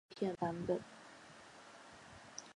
这张专辑推出了两只不同雷射唱片版本。